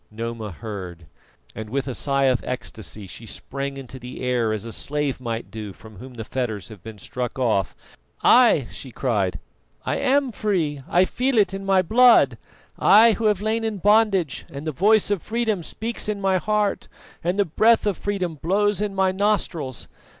Noma heard, and with a sigh of ecstasy she sprang into the air as a slave might do from whom the fetters have been struck off. "Ay," she cried, "I am free! I feel it in my blood, I who have lain in bondage, and the voice of freedom speaks in my heart and the breath of freedom blows in my nostrils.